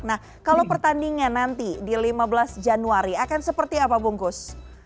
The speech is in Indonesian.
nah kalau pertandingan nanti di lima belas januari akan seperti apa bungkus